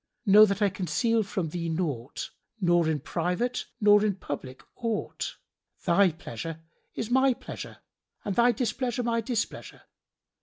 Know that I conceal from thee naught, nor in private nor in public aught; thy pleasure is my pleasure, and thy displeasure my displeasure.